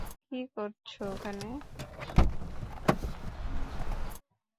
কী করছ ওখানে?